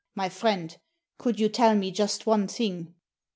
" My friend, could you tell me just one thing